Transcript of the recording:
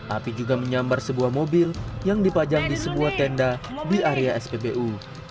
api juga menyambar sebuah mobil yang dipajang di sebuah tenda di area spbu